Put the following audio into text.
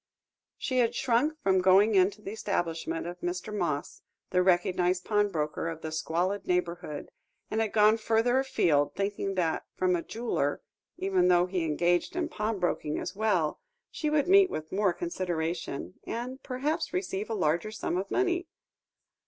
She had shrunk from going into the establishment of Mr. Moss, the recognised pawnbroker of that squalid neighbourhood, and had gone further afield, thinking that from a jeweller, even though he engaged in pawnbroking as well, she would meet with more consideration, and perhaps receive a larger sum of money.